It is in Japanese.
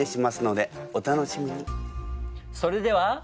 それでは。